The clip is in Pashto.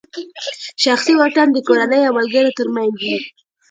شخصي واټن د کورنۍ او ملګرو ترمنځ وي.